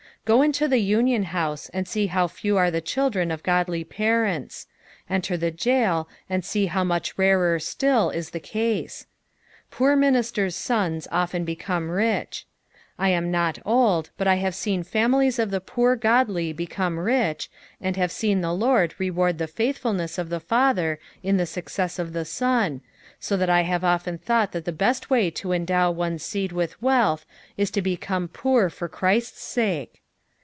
Qo into the union house and see how few are the children of godl^ parents ; enter the gaol and aee how much rarer stilt is the case. .Poor ministers' sons often become rich. I am not old, but I have seen families of the poor godly become rich, and have seen the Lord reward the faithfulness of the father in tbe Hocceas of the son, so that I have often thought that the best way to endow one's seed with wealth is to become poor for Christ's aake.